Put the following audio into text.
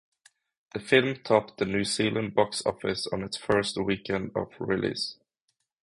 The film topped the New Zealand Box Office on its first weekend of release.